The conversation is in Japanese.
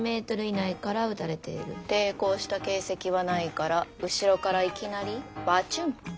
抵抗した形跡はないから後ろからいきなりバチュン。